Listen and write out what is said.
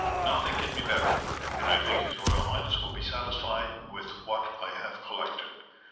"Nothing can be better, and I think his royal highness will be satisfied with what I have collected.